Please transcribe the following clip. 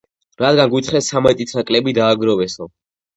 რადგან გვითხრეს ცამეტით ნაკლები დააგროვესო.